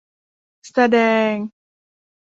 แสดง